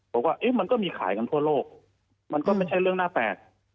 บอกว่ามันก็มีขายกันทั่วโลกมันก็ไม่ใช่เรื่องน่าแปลก